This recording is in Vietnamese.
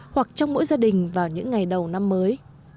hoặc trong mỗi gia đình vào những ngày đầu năm mới